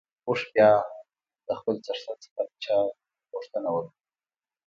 اوښ بيا د خپل څښتن څخه د چای غوښتنه وکړه.